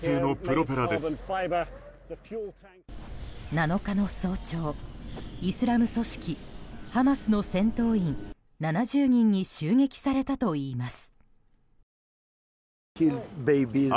７日の早朝、イスラム組織ハマスの戦闘員７０人に襲撃されたといいます。